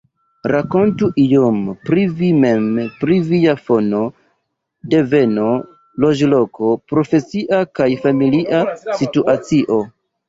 Rakontu iom pri vi mem pri via fono, deveno, loĝloko, profesia kaj familia situacio.